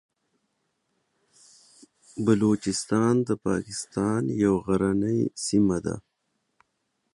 بلوچستان د پاکستان یوه غرنۍ سیمه ده.